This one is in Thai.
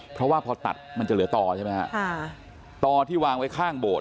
เพราะว่าพอตัดมันจะเหลือต่อใช่ไหมฮะค่ะต่อที่วางไว้ข้างโบสถ